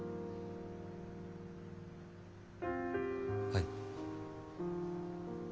はい。